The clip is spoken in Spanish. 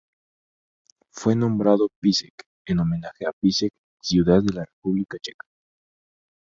Fue nombrado Písek en homenaje a Písek ciudad de la República Checa.